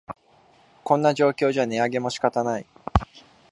こんな状況じゃ値上げも仕方ない